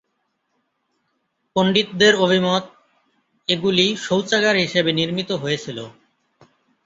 পন্ডিতদের অভিমত এগুলি শৌচাগার হিসেবে নির্মিত হয়েছিলো।